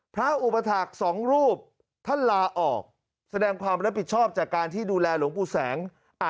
พระอุปถาคสองรูปท่านลาออกแสดงความรับผิดชอบจากการที่ดูแลหลวงปู่แสง